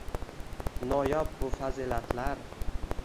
Noyob bu fazilatlar